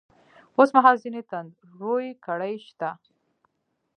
اوس مـهال ځــينې تـنـدروې کـړۍ شـتـه.